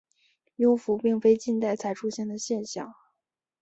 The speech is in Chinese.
幽浮并非近代才出现的现象。